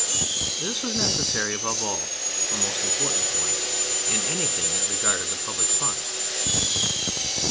This was necessary above all (a most important point) in anything that regarded the public funds.